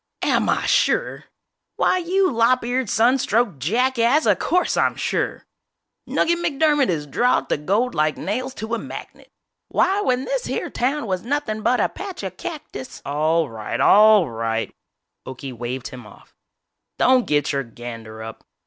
"Am I sure!! Why you lop eared, sun stroked jackass, of course I'm sure!!! Nugget McDermott is drawed to gold like nails to a magnet! Why when this here town was nothin' but a patch of cactus " "All right, all right," Okie waved him off, "don't get your gander up!